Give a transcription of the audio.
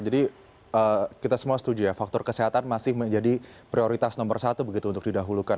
jadi kita semua setuju ya faktor kesehatan masih menjadi prioritas nomor satu begitu untuk didahulukan